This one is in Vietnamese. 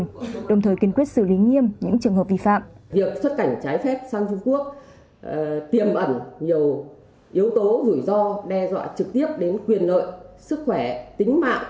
giúp tiềm ẩn nhiều yếu tố rủi ro đe dọa trực tiếp đến quyền lợi sức khỏe tính mạng